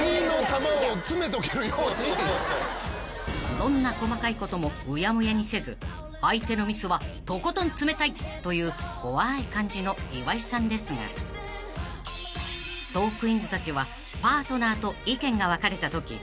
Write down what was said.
［どんな細かいこともうやむやにせず相手のミスはとことん詰めたいという怖い感じの岩井さんですがトークィーンズたちはパートナーと］